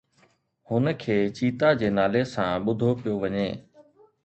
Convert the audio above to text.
هن کي چيتا جي نالي سان ٻڌو پيو وڃي